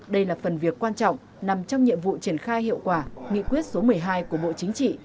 đây là phần việc quan trọng nằm trong nhiệm vụ triển khai hiệu quả nghị quyết số một mươi hai của bộ chính trị